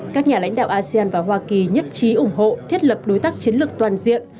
các nhà lãnh đạo asean và hoa kỳ nhất trí ủng hộ thiết lập đối tác chiến lược toàn diện